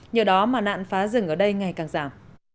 nhờ đó mà nạn phá rừng ở đây ngày càng giảm